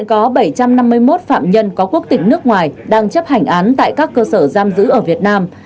ngoại giao hà kim ngọc cho biết hiện có bảy trăm năm mươi một phạm nhân có quốc tịch nước ngoài đang chấp hành án tại các cơ sở giam giữ ở việt nam